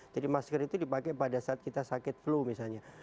jadi masker itu dipakai pada saat kita sakit flu misalnya